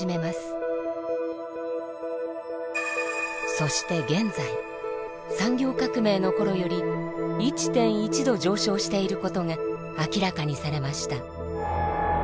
そして現在産業革命の頃より１．１℃上昇していることが明らかにされました。